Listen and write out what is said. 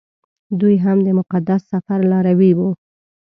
دوی هم د مقدس سفر لاروي وو.